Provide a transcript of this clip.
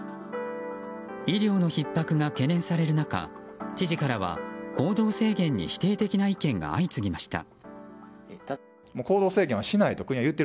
医療のひっ迫が懸念される中知事からは行動制限に否定的な意見が相次ぎました。